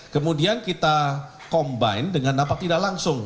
kemudian kita combine dengan nampak tidak langsung